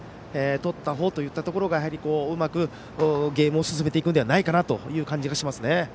取ったほうというところがやはりうまくゲームを進めていくのではないかなという感じがしますね。